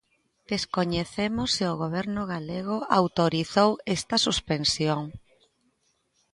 Descoñecemos se o Goberno galego autorizou esta suspensión.